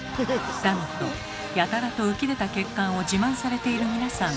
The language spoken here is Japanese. だのとやたらと浮き出た血管を自慢されている皆さん。